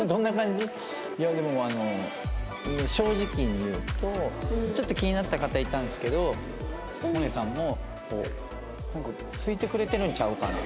でもあの正直に言うとちょっと気になった方いたんですけどモネさんも好いてくれてるんちゃうかな？